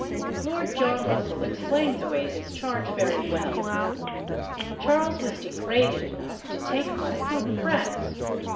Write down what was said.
Lord John Russell explains away this charge very well. Charles was degraded enough to take money from France.